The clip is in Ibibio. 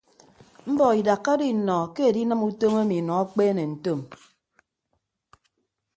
Mbọk idakka do innọ ke edinịm utom emi nọ akpeene ntom.